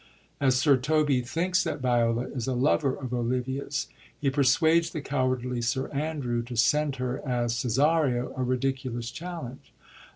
As Sir Toby thinks that Viola is a lover of Olivia's, he persuades the cowardly Sir Andrew to send her, as Cesario, a ridiculous challenge.